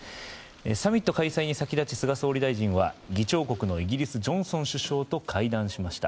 サミット開催に先立ち菅総理大臣は議長国のイギリスジョンソン首相と会談しました。